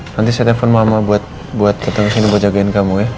nanti saya telepon mama buat ketemu sini buat jagain kamu ya